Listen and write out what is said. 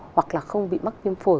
hoặc là không bị mắc viêm phổi